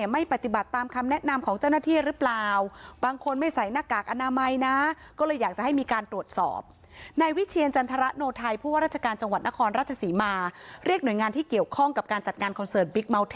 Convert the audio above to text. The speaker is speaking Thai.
ไม่ปฏิบัติตามคำแนะนำของเจ้าหน้าที่หรือเปล่า